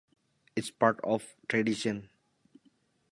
It's part of the tradition.